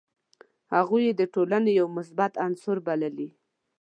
هغوی یې د ټولني یو مثبت عنصر بللي.